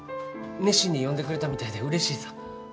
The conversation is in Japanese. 熱心に読んでくれたみたいでうれしいさ。